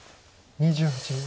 ２８秒。